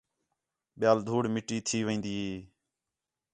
ٻِیال دھوڑ مٹی تھی وین٘دی ہی